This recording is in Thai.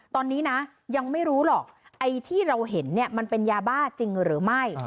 ตอนนี้นะยังไม่รู้หรอกไอ้ที่เราเห็นเนี่ยมันเป็นยาบ้าจริงหรือไม่